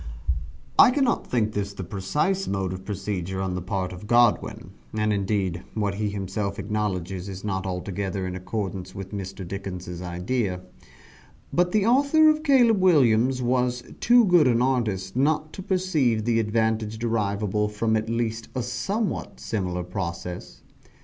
I cannot think this the precise mode of procedure on the part of Godwin and indeed what he himself acknowledges, is not altogether in accordance with Mr. Dickens' idea but the author of "Caleb Williams" was too good an artist not to perceive the advantage derivable from at least a somewhat similar process.